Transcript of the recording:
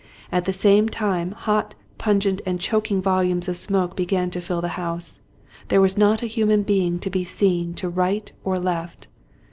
At the same time, hot, pungent, and choking volumes of smoke began to fill the house. There was not a human be ing to be seen to right or left.